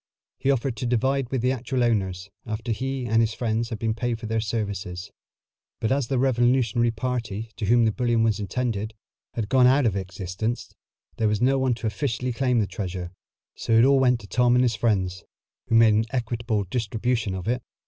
He offered to divide with the actual owners, after he and his friends had been paid for their services, but as the revolutionary party to whom the bullion was intended had gone out of existence, there was no one to officially claim the treasure, so it all went to Tom and his friends, who made an equitable distribution of it.